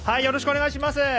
よろしくお願いします。